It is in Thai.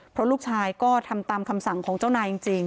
เพราะลูกชายก็ทำตามคำสั่งของเจ้านายจริง